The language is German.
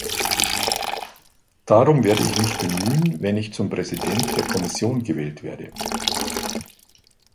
Darum werde ich mich bemühen, wenn ich zum Präsidenten der Kommission gewählt werde.